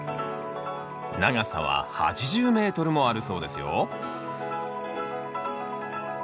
長さは８０ｍもあるそうですよ